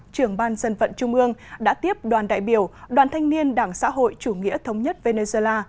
trưởng ban dân vận trung ương đã tiếp đoàn đại biểu đoàn thanh niên đảng xã hội chủ nghĩa thống nhất venezuela